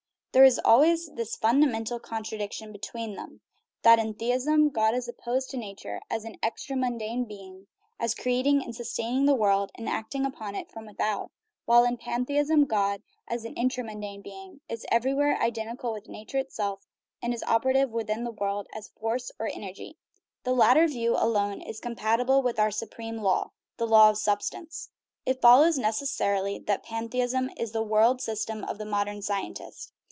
There is al ways this fundamental contradiction between them, that in theism God is opposed to nature as an extramun dane being, as creating and sustaining the world, and acting upon it from without, while in pantheism God, as an intramundane being, is everywhere identical with nature itself, and is operative within the world as " force " or * energy." The latter view alone is com 288 GOD AND THE WORLD patible with our supreme law the law of substance. It follows necessarily that pantheism is the world system of the modern scientist.